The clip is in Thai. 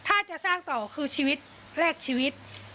ถ้าจะสร้างต่อคือชีวิตแรกชีวิต